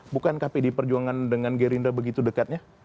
bukankah pd perjuangan dengan gerinda begitu dekatnya